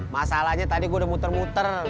masalahnya tadi gue udah muter muter